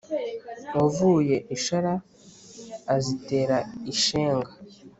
wavuye i shara azitera i shenga.